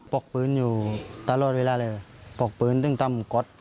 ปลอกปืนอยู่ตลอดเวลาเลยปลอกปืนตึงต้ำก็อด